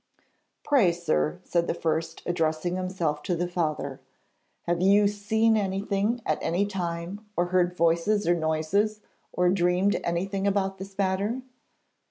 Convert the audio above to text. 'Pray, sir,' said the first, addressing himself to the father; 'have you seen anything at any time, or heard voices or noises, or dreamed anything about this matter?'